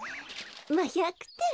まあ１００てん。